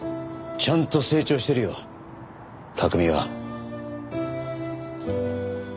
ちゃんと成長してるよ拓海は。